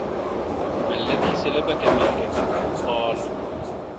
مَا الَّذِي سَلَبَك مِلْكَك ؟ قَالَ